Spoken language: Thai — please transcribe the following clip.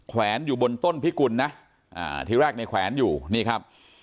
แวนอยู่บนต้นพิกุลนะอ่าทีแรกในแขวนอยู่นี่ครับ